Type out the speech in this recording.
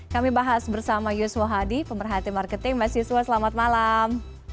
kami bahas bersama yusuf wahadi pemerhatian marketing mas yusuf selamat malam